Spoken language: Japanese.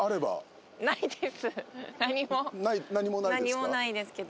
何もないですか？